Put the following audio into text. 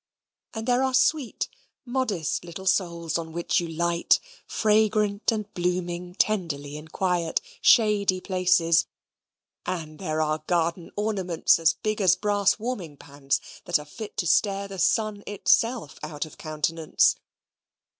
And there are sweet modest little souls on which you light, fragrant and blooming tenderly in quiet shady places; and there are garden ornaments, as big as brass warming pans, that are fit to stare the sun itself out of countenance.